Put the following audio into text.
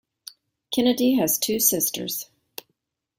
Kennedy has two sisters.